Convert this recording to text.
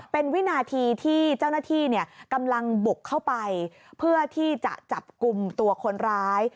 เป็นวินาทีที่เจ้าหน้าที่กำลังบุกเข้าไปเพื่อที่จะจับกลุ่มตัวคนร้าย